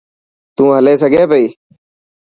تون هلي سگھي پئي.